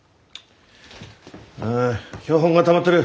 あ標本がたまってる。